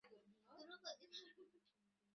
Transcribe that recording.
বটু ঈষৎ হেসে বললে, রাগ করেন কেন অতীনবাবু, আমি চললুম।